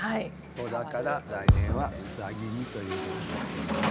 寅から来年は卯にということですけどもね。